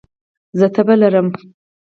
زه تبه لرم